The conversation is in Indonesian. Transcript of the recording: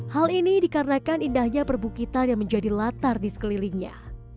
hal ini dikarenakan indahnya perbukitan yang menjadi latar di sekelilingnya